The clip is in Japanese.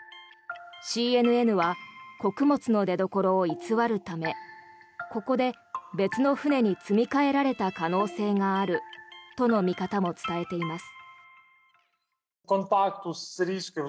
ＣＮＮは穀物の出どころを偽るためここで別の船に積み替えられた可能性があるとの見方も伝えられています。